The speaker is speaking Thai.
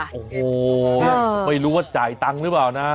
โอ้โหไม่รู้ว่าจ่ายตังค์หรือเปล่านะ